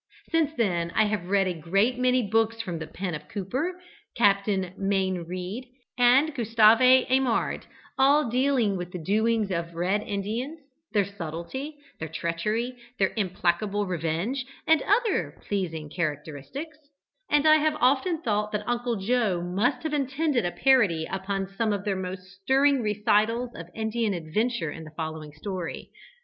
Since then I have read a great many books from the pen of Cooper, Captain Mayne Reid, and Gustave Aimard, all dealing with the doings of Red Indians, their subtlety, their treachery, their implacable revenge, and other pleasing characteristics, and I have often thought that Uncle Joe must have intended a parody upon some of their most stirring recitals of Indian adventure in the following story.